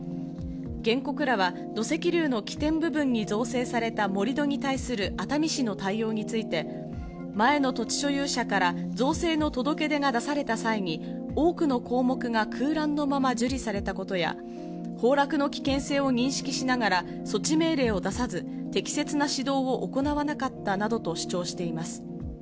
原告らは土石流の起点部分に造成された盛り土に対する熱海市の対応について、前の土地所有者から造成の届け出が出された際に、多くの項目が空欄のまま受理されたことや、崩落の危険性を認識しながら、措置命令を出さず、適切な指導を行わなかったなどと主張しています。